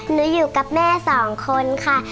อยู่กับแม่สองคนค่ะ